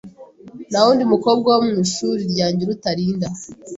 Nta wundi mukobwa wo mu ishuri ryanjye uruta Linda.